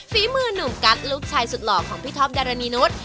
ฝีมือหนุ่มกัสลูกชายสุดหล่อของพี่ท็อปดารณีนุษย์